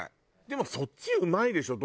でもそっちうまいでしょ？